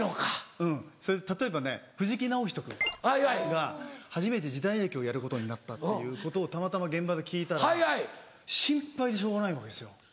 うんそれで例えばね藤木直人君が初めて時代劇をやることになったっていうことをたまたま現場で聞いたら心配でしょうがないわけですよ。